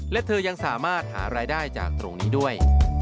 และเธอยังสามารถหารายได้จากตรงนี้ด้วย